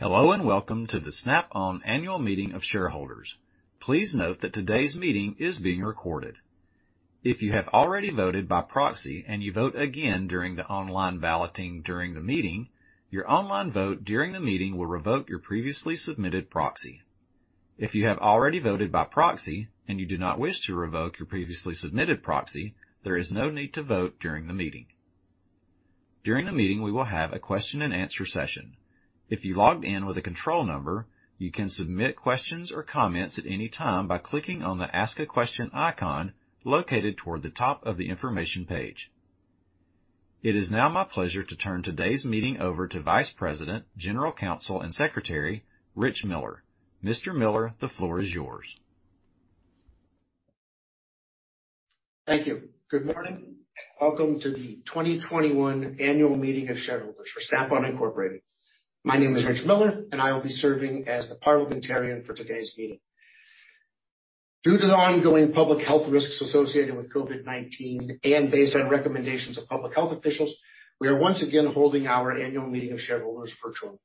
Hello and welcome to the Snap-on Annual Meeting of Shareholders. Please note that today's meeting is being recorded. If you have already voted by proxy and you vote again during the online balloting during the meeting, your online vote during the meeting will revoke your previously submitted proxy. If you have already voted by proxy and you do not wish to revoke your previously submitted proxy, there is no need to vote during the meeting. During the meeting, we will have a question-and-answer session. If you logged in with a control number, you can submit questions or comments at any time by clicking on the Ask a Question icon located toward the top of the information page. It is now my pleasure to turn today's meeting over to Vice President, General Counsel, and Secretary, Rich Miller. Mr. Miller, the floor is yours. Thank you. Good morning and welcome to the 2021 Annual Meeting of Shareholders for Snap-on Incorporated. My name is Rich Miller, and I will be serving as the parliamentarian for today's meeting. Due to the ongoing public health risks associated with COVID-19 and based on recommendations of public health officials, we are once again holding our Annual Meeting of Shareholders virtually.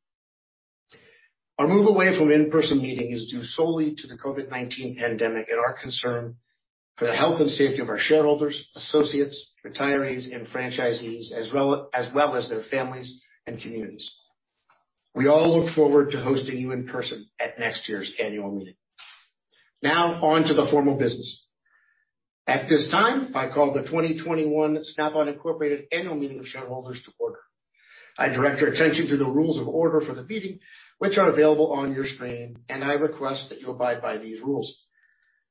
Our move away from in-person meeting is due solely to the COVID-19 pandemic and our concern for the health and safety of our shareholders, associates, retirees, and franchisees, as well as their families and communities. We all look forward to hosting you in person at next year's annual meeting. Now, on to the formal business. At this time, I call the 2021 Snap-on Incorporated Annual Meeting of Shareholders to order. I direct your attention to the rules of order for the meeting, which are available on your screen, and I request that you abide by these rules.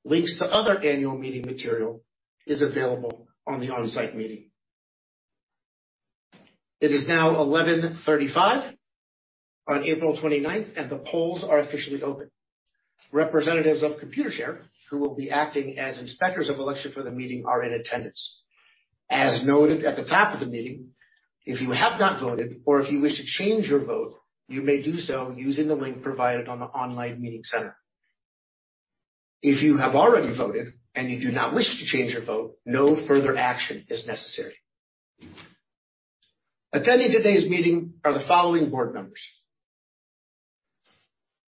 Links to other annual meeting material are available on the on-site meeting. It is now 11:35 A.M. on April 29th, and the polls are officially open. Representatives of Computershare, who will be acting as inspectors of election for the meeting, are in attendance. As noted at the top of the meeting, if you have not voted or if you wish to change your vote, you may do so using the link provided on the online meeting center. If you have already voted and you do not wish to change your vote, no further action is necessary. Attending today's meeting are the following board members: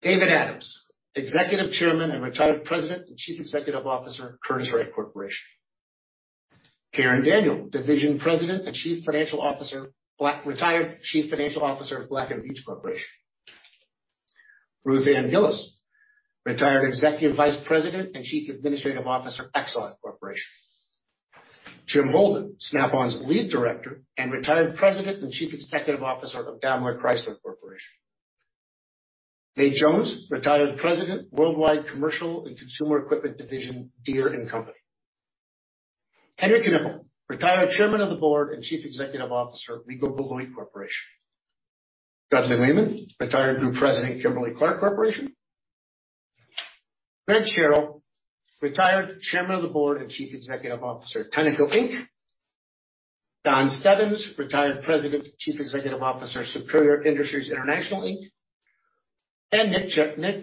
David Adams, Executive Chairman and Retired President and Chief Executive Officer, Curtiss-Wright Corporation; Karen Daniel, Division President and Chief Financial Officer, Retired Chief Financial Officer, Black & Veatch Corporation; Ruth Ann Gillis, Retired Executive Vice President and Chief Administrative Officer, Exelon Corporation; Jim Holden, Snap-on's lead director and Retired President and Chief Executive Officer, DaimlerChrysler Corporation; Nate Jones, Retired President, Worldwide Commercial and Consumer Equipment Division, Deere & Company; Henry Knueppel, Retired Chairman of the Board and Chief Executive Officer, Regal Beloit Corporation; Dudley Lehman, Retired Group President, Kimberly-Clark Corporation; Gregg Scherrill, Retired Chairman of the Board and Chief Executive Officer, Tenneco Inc.; Don Stebbins, Retired President, Chief Executive Officer, Superior Industries International Inc.; and Nick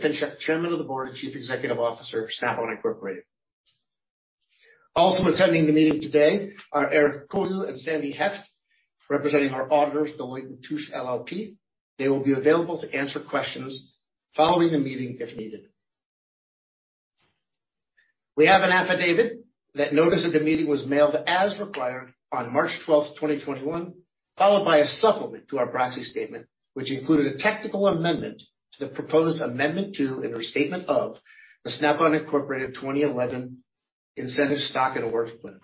Pinchuk, Chairman of the Board and Chief Executive Officer, Snap-on Incorporated. Also attending the meeting today are Eric Kuhl and Sandy Hoeft, representing our auditors, Deloitte & Touche, LLP. They will be available to answer questions following the meeting if needed. We have an affidavit that notices the meeting was mailed as required on March 12th, 2021, followed by a supplement to our proxy statement, which included a technical amendment to the proposed amendment to and restatement of the Snap-on Incorporated 2011 Incentive Stock and Awards Plan.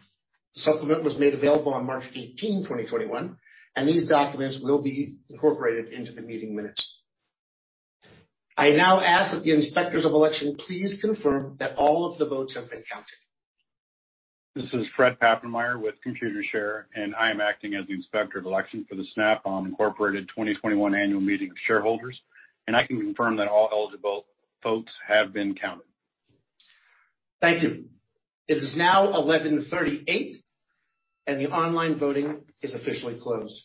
The supplement was made available on March 18, 2021, and these documents will be incorporated into the meeting minutes. I now ask that the inspectors of election please confirm that all of the votes have been counted. This is Fred Papenmeier with Computershare, and I am acting as the inspector of election for the Snap-on 2021 Annual Meeting of Shareholders, and I can confirm that all eligible votes have been counted. Thank you. It is now 11:38 A.M., and the online voting is officially closed.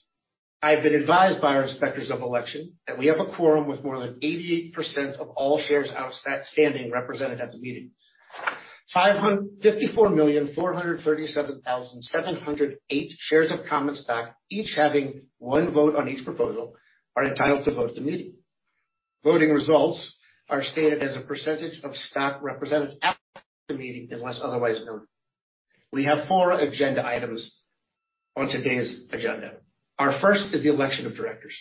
I have been advised by our inspectors of election that we have a quorum with more than 88% of all shares outstanding represented at the meeting. 554,437,708 shares of common stock, each having one vote on each proposal, are entitled to vote at the meeting. Voting results are stated as a percentage of stock represented after the meeting unless otherwise noted. We have four agenda items on today's agenda. Our first is the election of directors.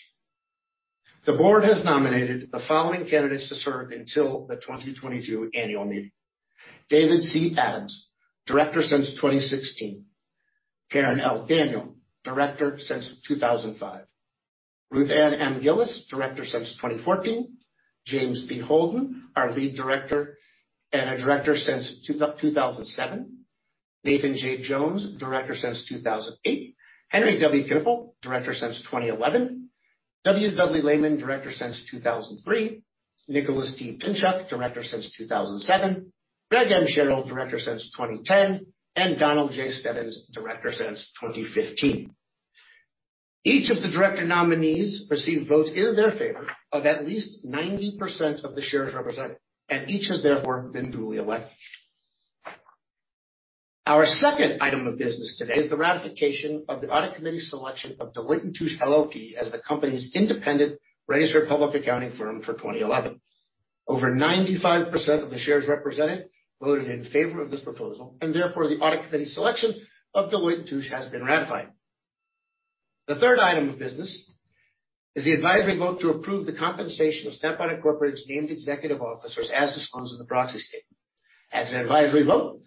The board has nominated the following candidates to serve until the 2022 Annual Meeting: David C. Adams, director since 2016; Karen L. Daniel, director since 2005; Ruth Ann M. Gillis, director since 2014; James B. Holden, our lead director and our director since 2007; Nathan J. Jones, director since 2008; Henry W. Knueppel, director since 2011; W. Dudley Lehman, director since 2003; Nicholas T. Pinchuk, director since 2007; Gregg M. Scherrill, director since 2010; and Donald J. Stebbins, director since 2015. Each of the director nominees received votes in their favor of at least 90% of the shares represented, and each has therefore been duly elected. Our second item of business today is the ratification of the Audit Committee's selection of Deloitte & Touche, LLP, as the company's independent registered public accounting firm for 2011. Over 95% of the shares represented voted in favor of this proposal, and therefore the Audit Committee's selection of Deloitte & Touche has been ratified. The third item of business is the advisory vote to approve the compensation of Snap-on Incorporated's named executive officers as disclosed in the proxy statement. As an advisory vote,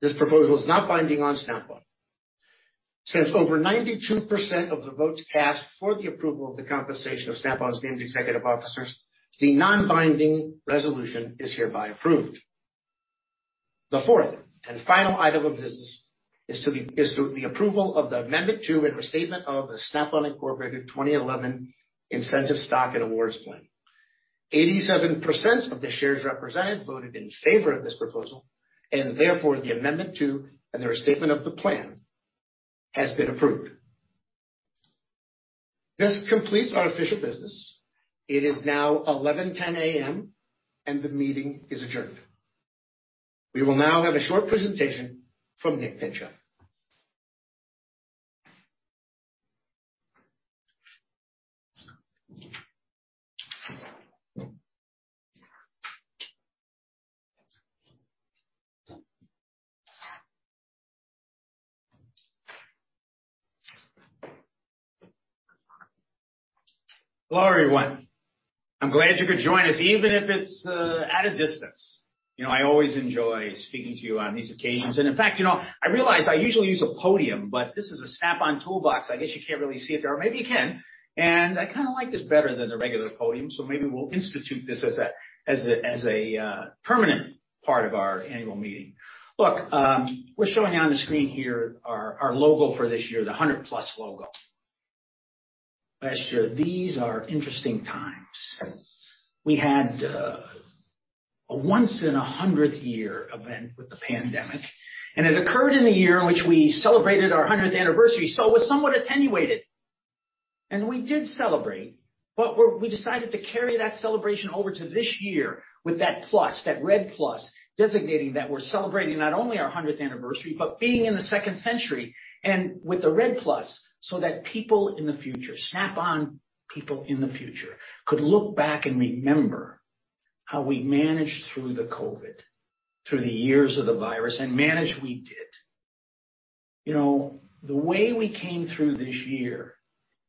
this proposal is not binding on Snap-on. Since over 92% of the votes cast for the approval of the compensation of Snap-on's named executive officers, the non-binding resolution is hereby approved. The fourth and final item of business is the approval of the amendment to and restatement of the Snap-on 2011 Incentive Stock and Awards Plan. 87% of the shares represented voted in favor of this proposal, and therefore the amendment to and the restatement of the plan has been approved. This completes our official business. It is now 11:10 A.M., and the meeting is adjourned. We will now have a short presentation from Nick Pinchuk. Hello everyone. I'm glad you could join us, even if it's at a distance. You know, I always enjoy speaking to you on these occasions. And in fact, you know, I realize I usually use a podium, but this is a Snap-on Toolbox. I guess you can't really see it there. Maybe you can. And I kind of like this better than the regular podium, so maybe we'll institute this as a permanent part of our annual meeting. Look, we're showing you on the screen here our logo for this year, the 100-plus logo. Last year, these are interesting times. We had a once-in-a-hundred-year event with the pandemic, and it occurred in the year in which we celebrated our 100th anniversary, so it was somewhat attenuated. We did celebrate, but we decided to carry that celebration over to this year with that plus, that red plus, designating that we're celebrating not only our 100th anniversary, but being in the second century and with the red plus so that people in the future, Snap-on people in the future, could look back and remember how we managed through the COVID, through the years of the virus, and managed we did. You know, the way we came through this year,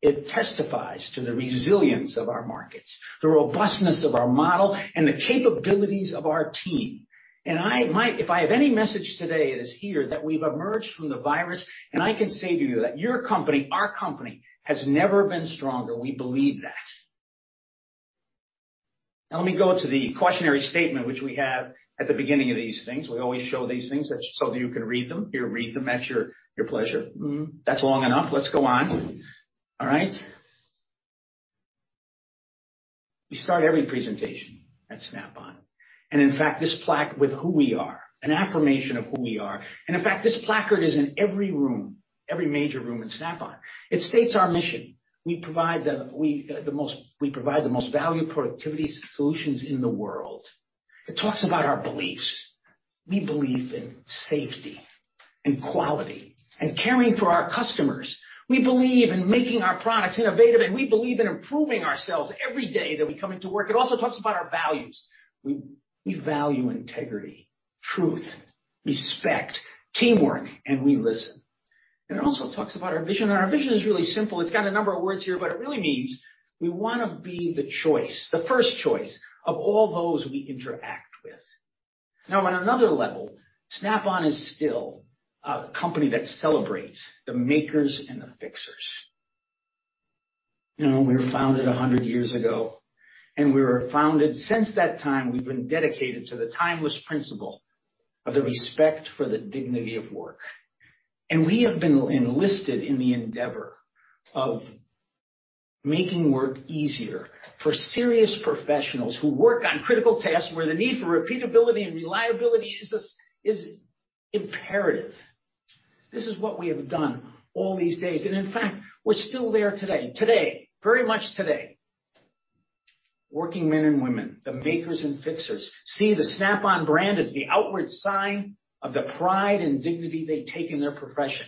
it testifies to the resilience of our markets, the robustness of our model, and the capabilities of our team. If I have any message today, it is here that we've emerged from the virus, and I can say to you that your company, our company, has never been stronger. We believe that. Now, let me go to the cautionary statement, which we have at the beginning of these things. We always show these things so that you can read them. Here, read them. That's your pleasure. That's long enough. Let's go on. All right. We start every presentation at Snap-on. In fact, this plaque with who we are, an affirmation of who we are. In fact, this placard is in every room, every major room in Snap-on. It states our mission. We provide the most valuable productivity solutions in the world. It talks about our beliefs. We believe in safety and quality and caring for our customers. We believe in making our products innovative, and we believe in improving ourselves every day that we come into work. It also talks about our values. We value integrity, truth, respect, teamwork, and we listen. It also talks about our vision, and our vision is really simple. It has a number of words here, but it really means we want to be the choice, the first choice of all those we interact with. Now, on another level, Snap-on is still a company that celebrates the makers and the fixers. You know, we were founded 100 years ago, and since that time, we have been dedicated to the timeless principle of the respect for the dignity of work. We have been enlisted in the endeavor of making work easier for serious professionals who work on critical tasks where the need for repeatability and reliability is imperative. This is what we have done all these days. In fact, we are still there today, very much today. Working men and women, the makers and fixers, see the Snap-on brand as the outward sign of the pride and dignity they take in their profession.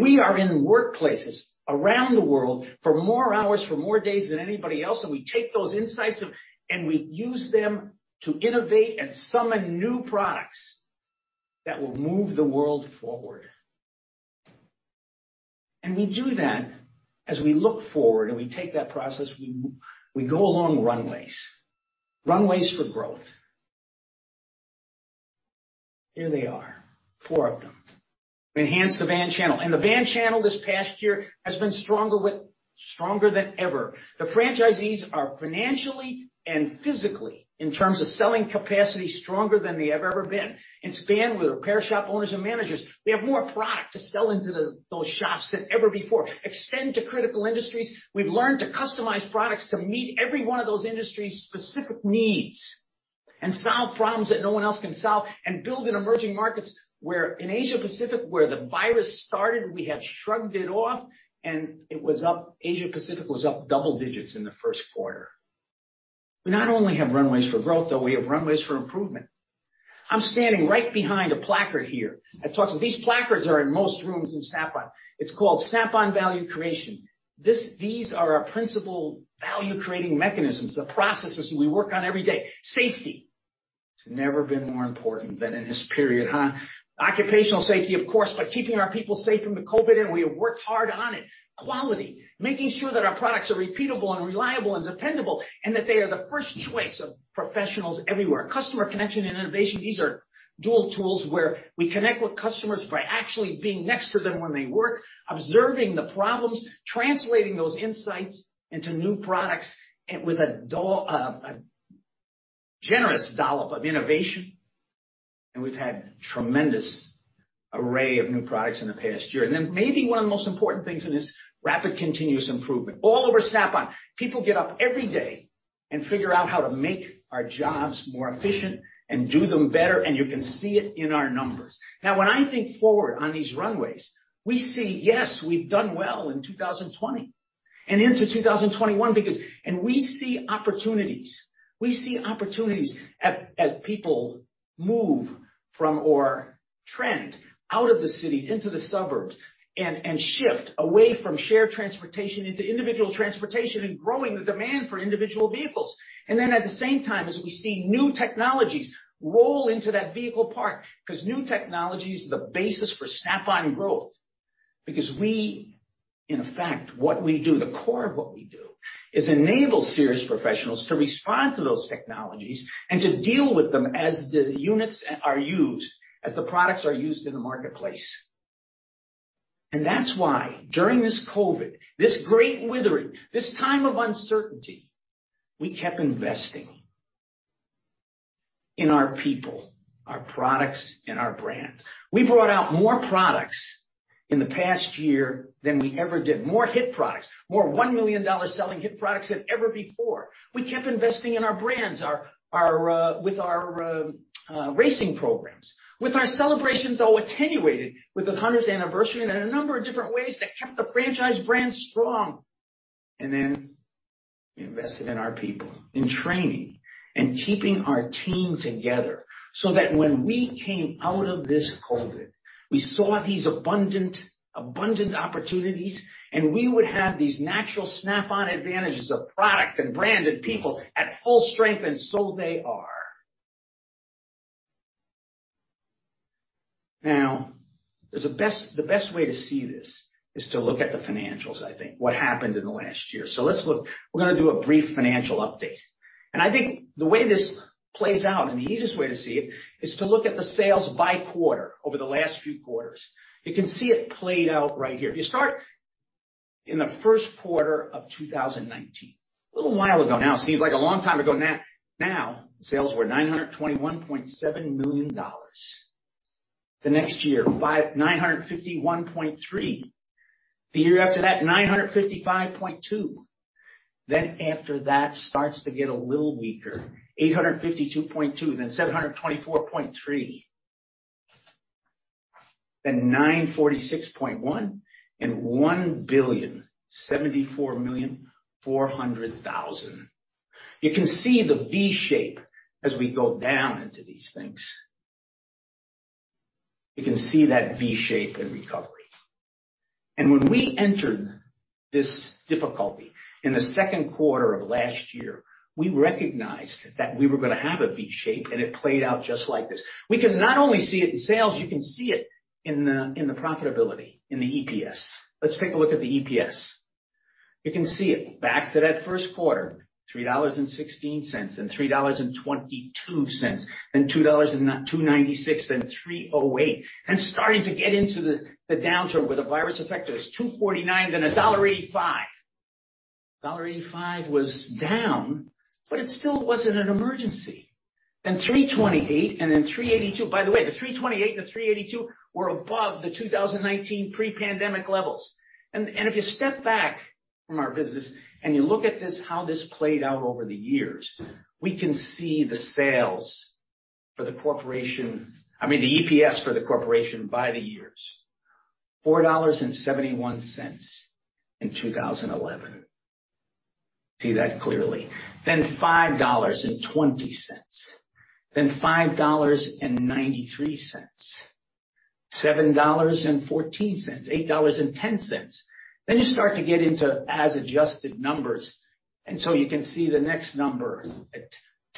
We are in workplaces around the world for more hours, for more days than anybody else, and we take those insights and we use them to innovate and summon new products that will move the world forward. We do that as we look forward and we take that process, we go along runways, runways for growth. Here they are, four of them. Enhance the van channel. The van channel this past year has been stronger than ever. The franchisees are financially and physically, in terms of selling capacity, stronger than they have ever been. It is banded with repair shop owners and managers. We have more product to sell into those shops than ever before. Extend to critical industries. We've learned to customize products to meet every one of those industries' specific needs and solve problems that no one else can solve and build in emerging markets where in Asia-Pacific, where the virus started, we have shrugged it off and it was up, Asia-Pacific was up double digits in the first quarter. We not only have runways for growth, though we have runways for improvement. I'm standing right behind a placard here that talks about these placards that are in most rooms in Snap-on. It's called Snap-on Value Creation. These are our principal value-creating mechanisms, the processes we work on every day. Safety. It's never been more important than in this period, huh? Occupational safety, of course, by keeping our people safe from the COVID, and we have worked hard on it. Quality, making sure that our products are repeatable and reliable and dependable and that they are the first choice of professionals everywhere. Customer connection and innovation, these are dual tools where we connect with customers by actually being next to them when they work, observing the problems, translating those insights into new products with a generous dollop of innovation. We have had a tremendous array of new products in the past year. Maybe one of the most important things in this rapid continuous improvement, all over Snap-on, people get up every day and figure out how to make our jobs more efficient and do them better, and you can see it in our numbers. Now, when I think forward on these runways, we see, yes, we have done well in 2020 and into 2021 because, and we see opportunities. We see opportunities as people move from or trend out of the cities into the suburbs and shift away from shared transportation into individual transportation and growing the demand for individual vehicles. At the same time, as we see new technologies roll into that vehicle park because new technology is the basis for Snap-on growth. Because we, in fact, what we do, the core of what we do is enable serious professionals to respond to those technologies and to deal with them as the units are used, as the products are used in the marketplace. That is why during this COVID, this great withering, this time of uncertainty, we kept investing in our people, our products, and our brand. We brought out more products in the past year than we ever did, more hit products, more $1 million selling hit products than ever before. We kept investing in our brands, with our racing programs, with our celebrations, though attenuated with the 100th anniversary and a number of different ways that kept the franchise brand strong. We invested in our people, in training, and keeping our team together so that when we came out of this COVID, we saw these abundant opportunities and we would have these natural Snap-on advantages of product and brand and people at full strength, and so they are. The best way to see this is to look at the financials, I think, what happened in the last year. Let's look. We're going to do a brief financial update. I think the way this plays out, and the easiest way to see it, is to look at the sales by quarter over the last few quarters. You can see it played out right here. You start in the first quarter of 2019. A little while ago now, seems like a long time ago. Now, sales were $921.7 million. The next year, $951.3 million. The year after that, $955.2 million. After that, it starts to get a little weaker, $852.2 million, then $724.3 million, then $946.1 million, and $1,074.4 million. You can see the V-shape as we go down into these things. You can see that V-shape in recovery. When we entered this difficulty in the second quarter of last year, we recognized that we were going to have a V-shape, and it played out just like this. We can not only see it in sales, you can see it in the profitability, in the EPS. Let's take a look at the EPS. You can see it back to that first quarter, $3.16, then $3.22, then $2.96, then $3.08, and starting to get into the downturn where the virus affected us, $2.49, then $1.85. $1.85 was down, but it still was not an emergency. Then $3.28 and then $3.82. By the way, the $3.28 and the $3.82 were above the 2019 pre-pandemic levels. If you step back from our business and you look at this, how this played out over the years, we can see the sales for the corporation, I mean, the EPS for the corporation by the years, $4.71 in 2011. See that clearly. Then $5.20, then $5.93, $7.14, $8.10. You start to get into as-adjusted numbers. You can see the next number at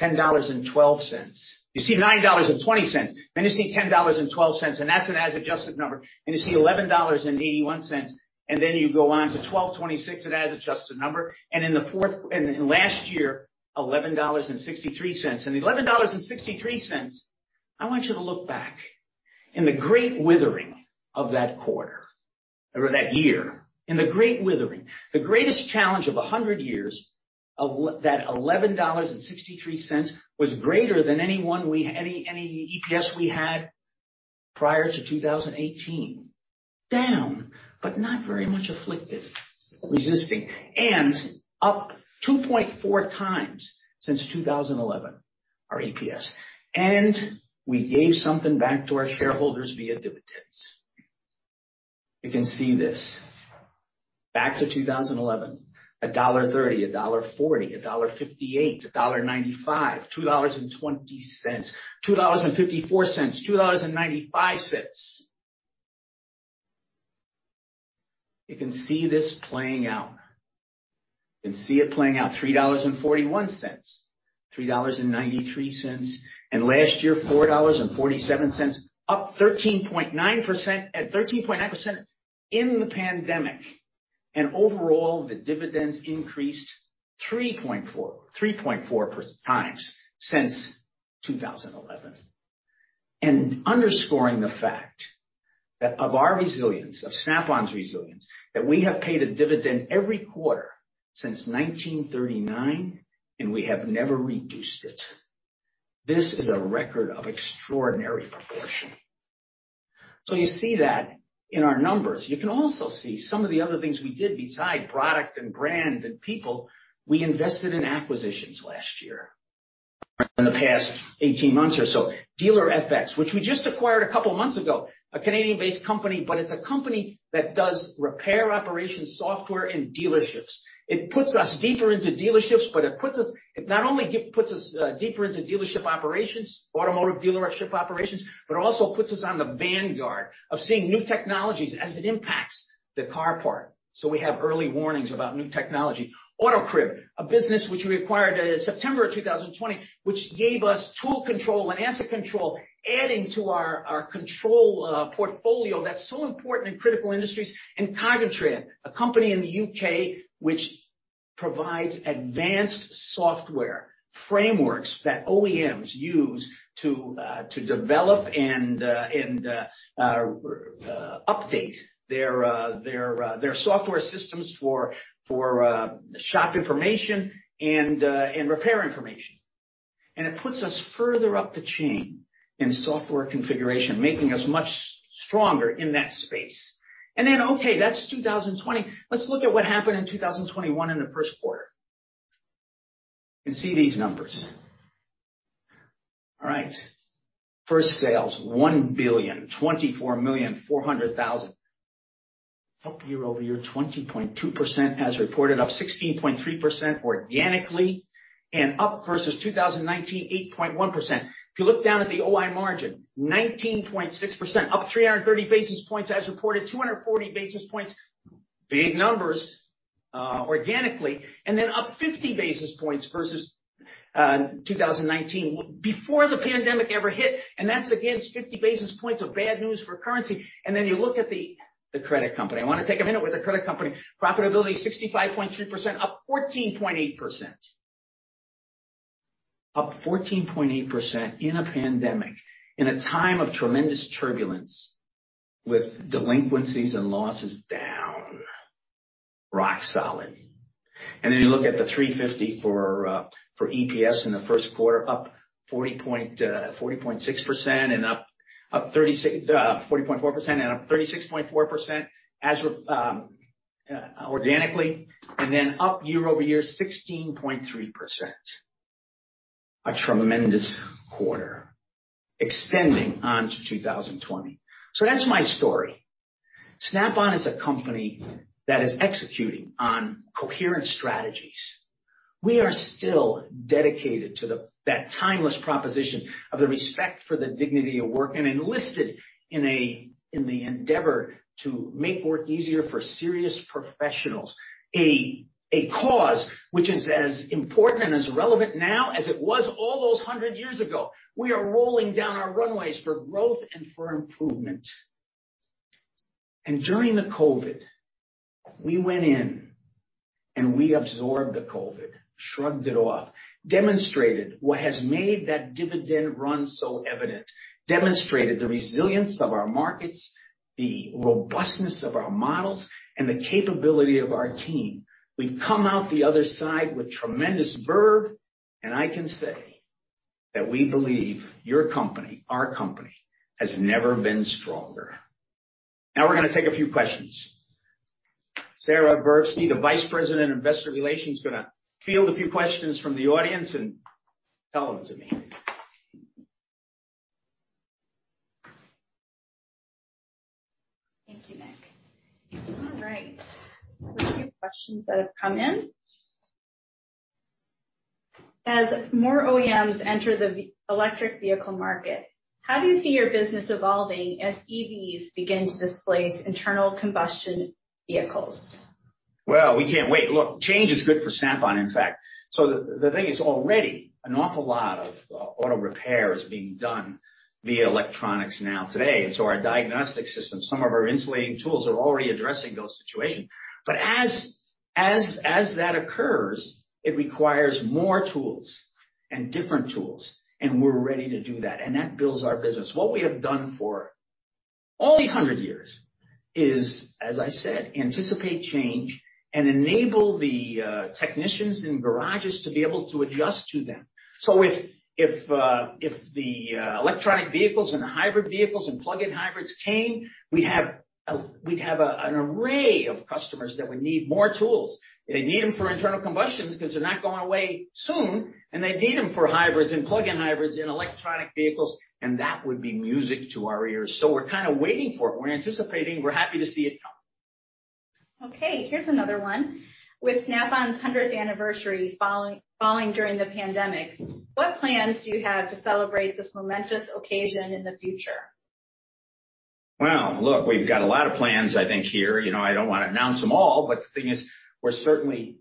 $10.12. You see $9.20. Then you see $10.12, and that is an as-adjusted number. You see $11.81. You go on to $12.26, an as-adjusted number. In the fourth, and last year, $11.63. The $11.63, I want you to look back in the great withering of that quarter or that year. In the great withering, the greatest challenge of 100 years of that $11.63 was greater than any EPS we had prior to 2018. Down, but not very much afflicted, resisting. Up 2.4 times since 2011, our EPS. We gave something back to our shareholders via dividends. You can see this. Back to 2011, $1.30, $1.40, $1.58, $1.95, $2.20, $2.54, $2.95. You can see this playing out. You can see it playing out, $3.41, $3.93, and last year, $4.47, up 13.9% in the pandemic. Overall, the dividends increased 3.4 times since 2011. Underscoring the fact of our resilience, of Snap-on's resilience, we have paid a dividend every quarter since 1939, and we have never reduced it. This is a record of extraordinary proportion. You see that in our numbers. You can also see some of the other things we did beside product and brand and people. We invested in acquisitions last year, in the past 18 months or so. Dealer-FX, which we just acquired a couple of months ago, a Canadian-based company, but it is a company that does repair operation software and dealerships. It puts us deeper into dealerships, but it not only puts us deeper into dealership operations, automotive dealership operations, but it also puts us on the vanguard of seeing new technologies as it impacts the car part. We have early warnings about new technology. AutoCrib, a business which we acquired in September of 2020, which gave us tool control and asset control, adding to our control portfolio that's so important in critical industries. Cognitran, a company in the U.K., which provides advanced software frameworks that OEMs use to develop and update their software systems for shop information and repair information. It puts us further up the chain in software configuration, making us much stronger in that space. Okay, that's 2020. Let's look at what happened in 2021 in the first quarter. See these numbers. All right. First, sales, $1,024,400,000. Up year over year, 20.2% as reported, up 16.3% organically, and up versus 2019, 8.1%. If you look down at the OI margin, 19.6%, up 330 basis points as reported, 240 basis points, big numbers organically, and then up 50 basis points versus 2019 before the pandemic ever hit. That is against 50 basis points of bad news for currency. You look at the credit company. I want to take a minute with the credit company. Profitability is 65.3%, up 14.8%. Up 14.8% in a pandemic, in a time of tremendous turbulence with delinquencies and losses down, rock solid. You look at the $3.50 for EPS in the first quarter, up 40.6% and up 40.4% and up 36.4% organically, and then up year over year, 16.3%. A tremendous quarter extending on to 2020. That is my story. Snap-on is a company that is executing on coherent strategies. We are still dedicated to that timeless proposition of the respect for the dignity of work and enlisted in the endeavor to make work easier for serious professionals, a cause which is as important and as relevant now as it was all those 100 years ago. We are rolling down our runways for growth and for improvement. During the COVID, we went in and we absorbed the COVID, shrugged it off, demonstrated what has made that dividend run so evident, demonstrated the resilience of our markets, the robustness of our models, and the capability of our team. We have come out the other side with tremendous verve, and I can say that we believe your company, our company, has never been stronger. Now we are going to take a few questions. Sara Verbsky, the Vice President of Investor Relations, is going to field a few questions from the audience and tell them to me. Thank you, Nick. All right. A few questions that have come in. As more OEMs enter the electric vehicle market, how do you see your business evolving as EVs begin to displace internal combustion vehicles? Change is good for Snap-on, in fact. The thing is already an awful lot of auto repair is being done via electronics now today. Our diagnostic systems, some of our insulating tools are already addressing those situations. As that occurs, it requires more tools and different tools, and we're ready to do that. That builds our business. What we have done for all these 100 years is, as I said, anticipate change and enable the technicians in garages to be able to adjust to them. If the electronic vehicles and hybrid vehicles and plug-in hybrids came, we'd have an array of customers that would need more tools. They need them for internal combustions because they're not going away soon, and they need them for hybrids and plug-in hybrids and electronic vehicles, and that would be music to our ears. We're kind of waiting for it. We're anticipating. We're happy to see it come. Okay. Here's another one. With Snap-on's 100th anniversary falling during the pandemic, what plans do you have to celebrate this momentous occasion in the future? Look, we've got a lot of plans, I think, here. I don't want to announce them all, but the thing is we're certainly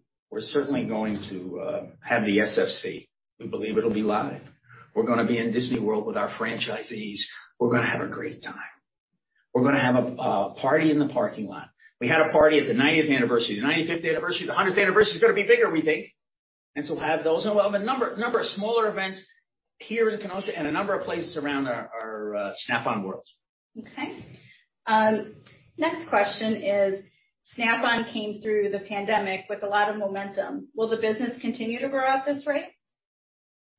going to have the SFC. We believe it'll be live. We're going to be in Disney World with our franchisees. We're going to have a great time. We're going to have a party in the parking lot. We had a party at the 90th anniversary, the 95th anniversary. The 100th anniversary is going to be bigger, we think. We'll have those. We'll have a number of smaller events here in Kenosha and a number of places around our Snap-on world. Okay. Next question is, Snap-on came through the pandemic with a lot of momentum. Will the business continue to grow at this rate?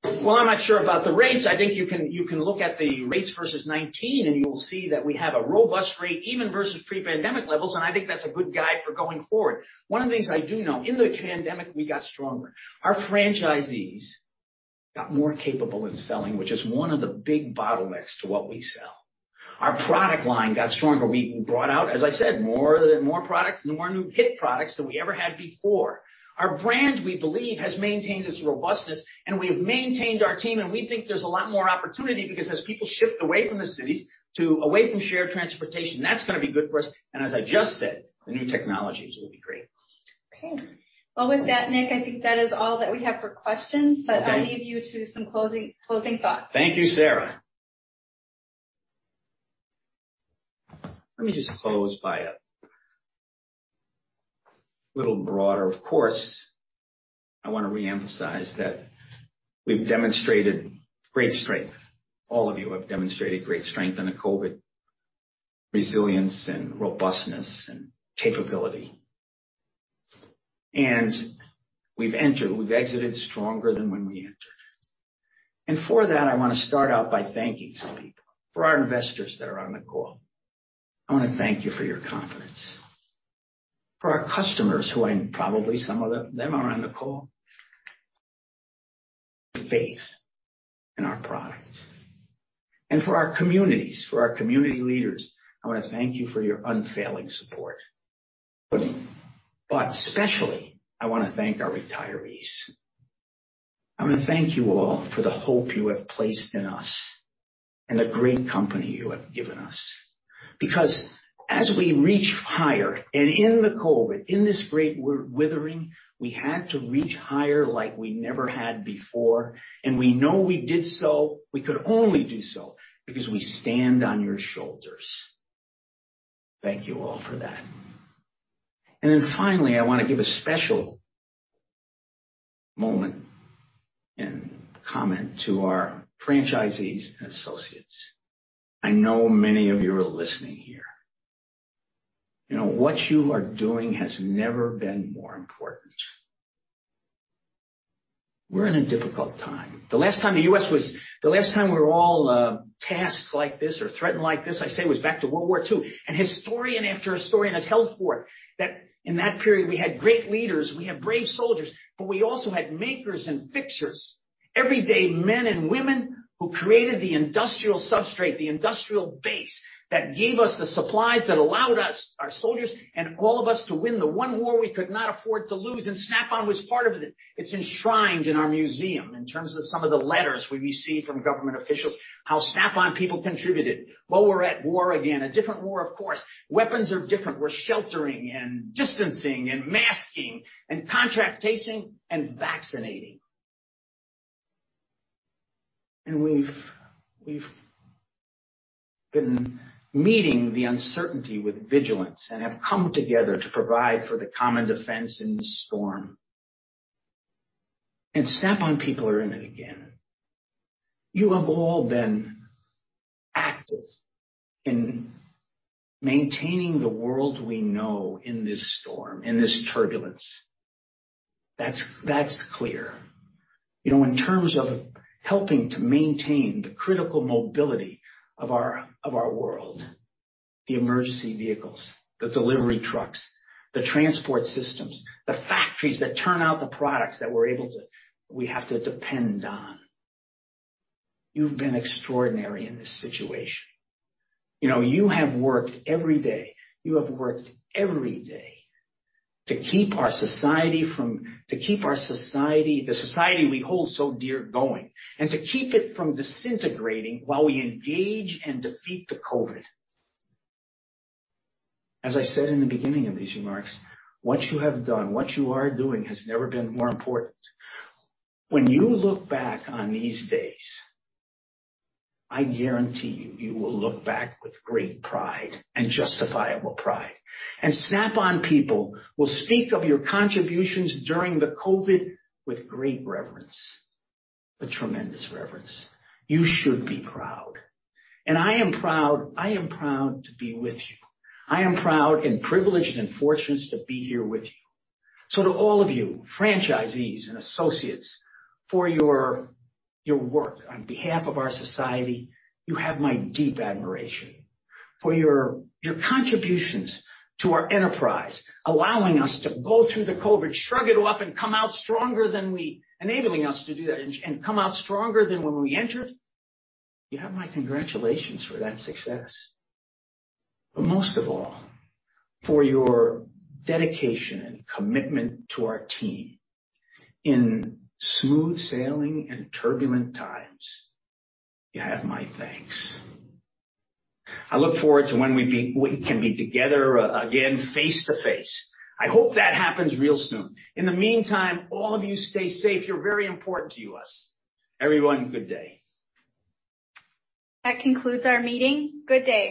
I'm not sure about the rates. I think you can look at the rates versus 2019, and you'll see that we have a robust rate even versus pre-pandemic levels, and I think that's a good guide for going forward. One of the things I do know, in the pandemic, we got stronger. Our franchisees got more capable in selling, which is one of the big bottlenecks to what we sell. Our product line got stronger. We brought out, as I said, more products, more new hit products than we ever had before. Our brand, we believe, has maintained its robustness, and we have maintained our team, and we think there's a lot more opportunity because as people shift away from the cities to away from shared transportation, that's going to be good for us. As I just said, the new technologies will be great. Okay. With that, Nick, I think that is all that we have for questions, but I'll leave you to some closing thoughts. Thank you, Sarah. Let me just close by a little broader. Of course, I want to reemphasize that we've demonstrated great strength. All of you have demonstrated great strength in the COVID resilience and robustness and capability. We've exited stronger than when we entered. For that, I want to start out by thanking some people. For our investors that are on the call, I want to thank you for your confidence. For our customers, who I probably some of them are on the call, for faith in our product. For our communities, for our community leaders, I want to thank you for your unfailing support. Especially, I want to thank our retirees. I want to thank you all for the hope you have placed in us and the great company you have given us. Because as we reached higher and in the COVID, in this great withering, we had to reach higher like we never had before. We know we did so. We could only do so because we stand on your shoulders. Thank you all for that. Finally, I want to give a special moment and comment to our franchisees and associates. I know many of you are listening here. What you are doing has never been more important. We are in a difficult time. The last time the U.S. was, the last time we were all tasked like this or threatened like this, I say, was back to World War II. Historian after historian has held forth that in that period, we had great leaders. We had brave soldiers, but we also had makers and fixers, everyday men and women who created the industrial substrate, the industrial base that gave us the supplies that allowed us, our soldiers and all of us, to win the one war we could not afford to lose. Snap-on was part of it. It is enshrined in our museum in terms of some of the letters we receive from government officials, how Snap-on people contributed. We are at war again, a different war, of course. Weapons are different. We are sheltering and distancing and masking and contract chasing and vaccinating. We have been meeting the uncertainty with vigilance and have come together to provide for the common defense in this storm. Snap-on people are in it again. You have all been active in maintaining the world we know in this storm, in this turbulence. That is clear. In terms of helping to maintain the critical mobility of our world, the emergency vehicles, the delivery trucks, the transport systems, the factories that turn out the products that we have to depend on, you have been extraordinary in this situation. You have worked every day. You have worked every day to keep our society, the society we hold so dear, going, and to keep it from disintegrating while we engage and defeat the COVID. As I said in the beginning of these remarks, what you have done, what you are doing has never been more important. When you look back on these days, I guarantee you you will look back with great pride and justifiable pride. Snap-on people will speak of your contributions during the COVID with great reverence, a tremendous reverence. You should be proud. I am proud. I am proud to be with you. I am proud and privileged and fortunate to be here with you. To all of you, franchisees and associates, for your work on behalf of our society, you have my deep admiration. For your contributions to our enterprise, allowing us to go through the COVID, shrug it off, and come out stronger than we, enabling us to do that and come out stronger than when we entered, you have my congratulations for that success. Most of all, for your dedication and commitment to our team in smooth sailing and turbulent times, you have my thanks. I look forward to when we can be together again face to face. I hope that happens real soon. In the meantime, all of you stay safe. You're very important to us. Everyone, good day. That concludes our meeting. Good day.